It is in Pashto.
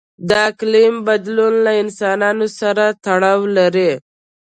د اقلیم بدلون له انسانانو سره تړاو لري.